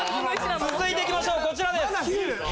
続いていきましょうこちらです。